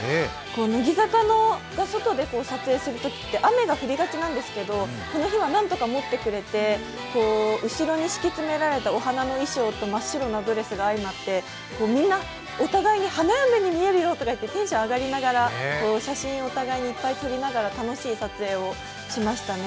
乃木坂が外で撮影するときって雨が降りがちなんですけどこの日はなんとかもってくれて、後ろに敷き詰められたお花の意匠と真っ白なドレスが相まって、みんな、お互いに花嫁に見えるよとか言って、テンション上がりながら写真、お互いにいっぱい撮りながら楽しい撮影をしましたね。